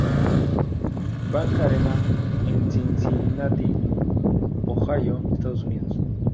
Bank Arena, en Cincinnati, Ohio, Estados Unidos.